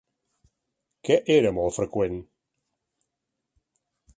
Què era molt freqüent?